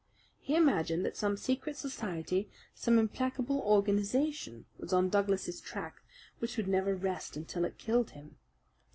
He imagined that some secret society, some implacable organization, was on Douglas's track, which would never rest until it killed him.